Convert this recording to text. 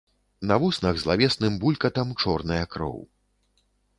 На вуснах злавесным булькатам чорная кроў.